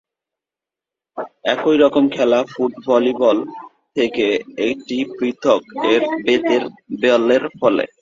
একই রকম খেলা ফুট ভলিবল থেকে এটি পৃথক এর বেতের বলের ব্যবহারে।